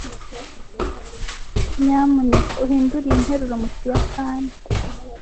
Nyamuneka uhindure iyi nteruro mu kiyapani.